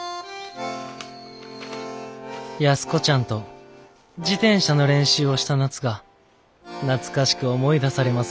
「安子ちゃんと自転車の練習をした夏が懐かしく思い出されます」。